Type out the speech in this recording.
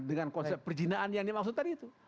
dengan konsep perjinaan yang dimaksud tadi itu